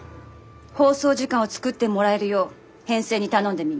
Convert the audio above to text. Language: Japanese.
放送時間を作ってもらえるよう編成に頼んでみます。